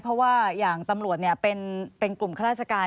เพราะว่าอย่างตำรวจเนี่ยเป็นกลุ่มราชการ